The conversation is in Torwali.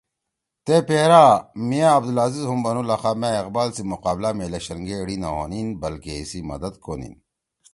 تے پیرا میاں عبدالعزیز ہُم بنُو لخا مأ اقبال سی مقابلہ می الیکشن گے ایِڑی نہ ہونیِن بلکہ ایِسی مدد کونیِن